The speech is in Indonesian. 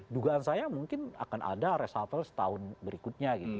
dugaan saya mungkin akan ada reshuffle setahun berikutnya gitu